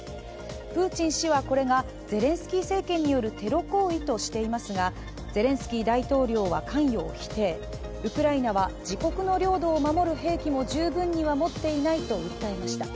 プーチン氏はこれがゼレンスキー政権によるテロ行為としていますがゼレンスキー大統領は関与を否定、ウクライナは自国の領土を守る兵器も十分には持っていないと訴えました。